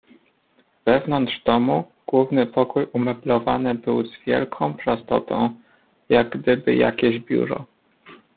"Wewnątrz domu główny pokój umeblowany był z wielką prostotą, jak gdyby jakieś biuro."